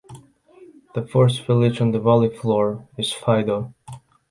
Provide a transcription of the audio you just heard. The first village on the valley floor is Faido.